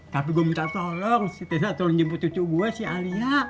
tapi gue minta tolong si tesa tolong jemput cucu gue sih alia